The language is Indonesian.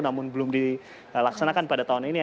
namun belum dilaksanakan pada tahun ini